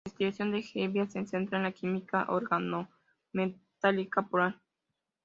La investigación de Hevia se centra en la química organometálica polar.